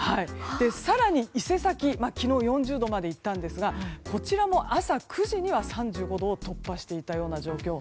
更に伊勢崎昨日、４０度までいったんですがこちらも朝９時には３５度を突破していたような状況。